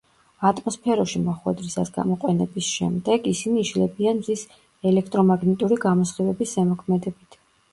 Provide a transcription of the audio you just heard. ატმოსფეროში მოხვედრისას გამოყენების შემდეგ, ისინი იშლებიან მზის ელექტრომაგნიტური გამოსხივების ზემოქმედებით.